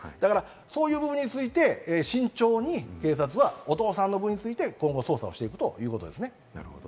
そういう部分について慎重に警察はお父さんの方について捜査していくということですね。